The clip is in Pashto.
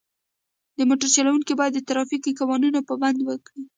د موټر چلوونکي باید د ترافیکي قوانینو پابندي وکړي.